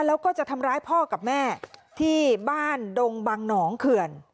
แล้วก็จะทำร้ายพ่อกับแม่ที่บ้านดงบังหนองเขื่อน